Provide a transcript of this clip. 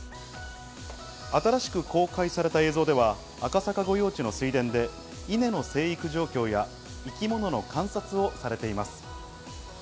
新しく公開された映像では赤坂御用地の水田で稲の生育状況や生き物の観察をされています。